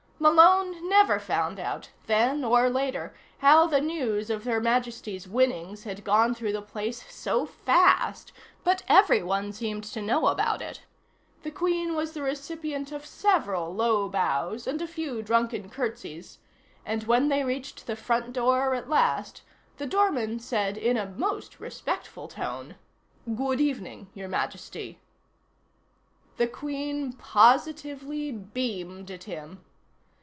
Malone never found out, then or later, how the news of Her Majesty's winnings had gone through the place so fast, but everyone seemed to know about it. The Queen was the recipient of several low bows and a few drunken curtsies, and, when they reached the front door at last, the doorman said in a most respectful tone: "Good evening, Your Majesty." The Queen positively beamed at him.